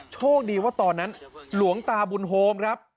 โชคดีว่าตอนนั้นหลวงตาบุญโฮมครับ